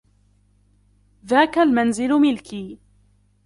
ذاك المنزل ملكي.